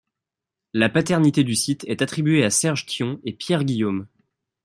La paternité du site est attribuée à Serge Thion et Pierre Guillaume.